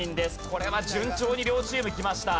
これは順調に両チームきました。